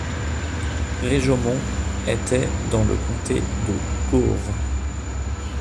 Réjaumont était dans le comté de Gaure.